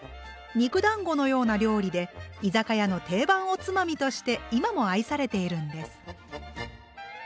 肉だんごのような料理で居酒屋の定番おつまみとして今も愛されているんです。